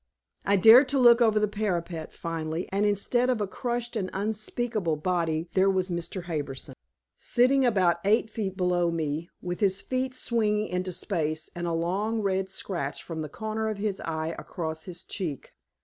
I dared to look over the parapet, finally, and instead of a crushed and unspeakable body, there was Mr. Harbison, sitting about eight feet below me, with his feet swinging into space and a long red scratch from the corner of his eye across his cheek.